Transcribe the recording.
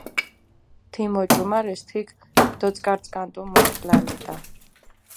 თიმ ოჭუმარეს თიქ დოწკარწკანტუ მუშ პლანეტა.